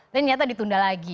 dan ternyata ditunda lagi